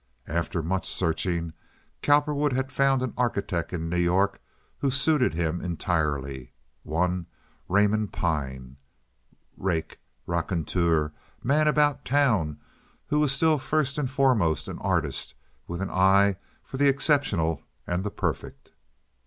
After much searching Cowperwood had found an architect in New York who suited him entirely—one Raymond Pyne, rake, raconteur, man about town—who was still first and foremost an artist, with an eye for the exceptional and the perfect.